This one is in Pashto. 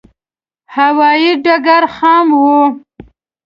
هوایې ډګر خام و.